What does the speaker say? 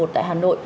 tại hà nội